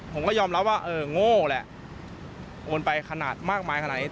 ผมก็ยอมรับว่าเออโง่แหละโอนไปขนาดมากมายขนาดนี้